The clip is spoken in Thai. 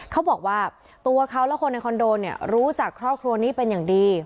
เขาบอกว่าตัวเขาและคนในคอนโดเนี่ยรู้จักครอบครัวนี้เป็นอย่างดี